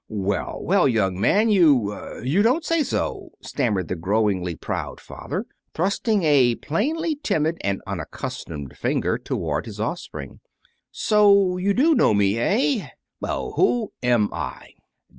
"Well, well, young man, you you don't say so!" stammered the growingly proud father, thrusting a plainly timid and unaccustomed finger toward his offspring. "So you do know me, eh? Well, who am I?"